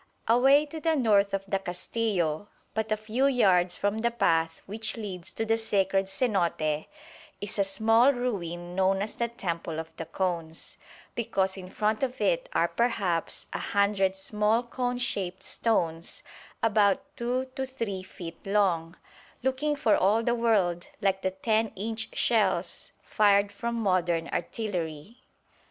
Away to the north of the Castillo, but a few yards from the path which leads to the Sacred Cenote, is a small ruin known as the Temple of the Cones, because in front of it are perhaps a hundred small cone shaped stones about 2 to 3 feet long, looking for all the world like the 10 inch shells fired from modern artillery.